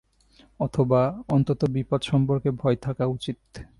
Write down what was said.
অথবা, অন্তত বিপদ সম্পর্কে ভয় থাকা উচিত।